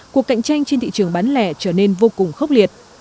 cuộc cạnh tranh trên thị trường bán lẻ trở nên vô cùng khốc liệt